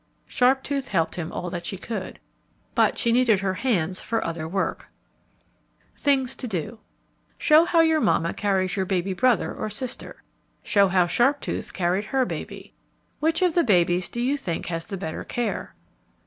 Sharptooth helped him all that she could, but she needed her hands for other work. [Illustration: Sharptooth gathering berries] THINGS TO DO Show how your mamma carries your baby brother or sister. Show how Sharptooth carried her baby. _Which of the babies do you think has the better care?